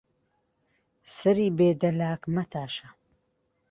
سەری بێ دەلاک مەتاشە